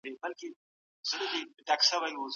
باد غوندي چلیږي